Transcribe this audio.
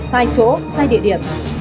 sai chỗ sai địa điểm